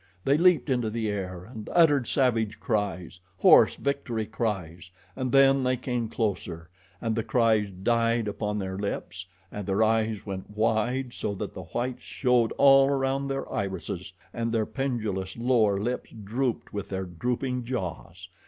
They leaped into the air and uttered savage cries hoarse victory cries, and then they came closer, and the cries died upon their lips, and their eyes went wide so that the whites showed all around their irises, and their pendulous lower lips drooped with their drooping jaws.